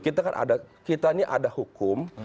kita ini ada hukum